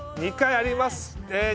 ２階ありますえ